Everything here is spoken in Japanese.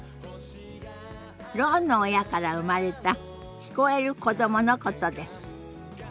ろうの親から生まれた聞こえる子どものことです。